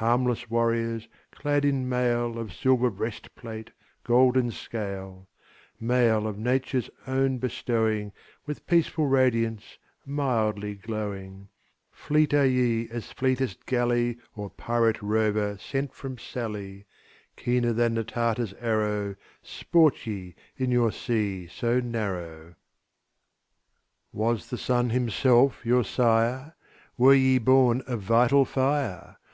Harmless warriors, clad in mail Of silver breastplate, golden scale; Mail of Nature's own bestowing, With peaceful radiance, mildly glowing Fleet are ye as fleetest galley Or pirate rover sent from Sallee; Keener than the Tartar's arrow, Sport ye in your sea so narrow. Was the sun himself your sire? Were ye born of vital fire?